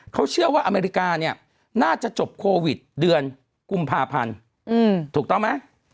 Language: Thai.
เขาเชื่อว่าอเมริกาเนี่ยน่าจะจบโควิดเดือนกุมภาพันธ์ถูกต้องไหม